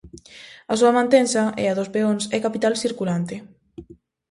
A súa mantenza e a dos peóns é capital circulante.